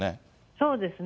そうですね。